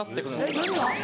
えっ何が？